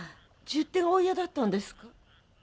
十手がお嫌だったんですか？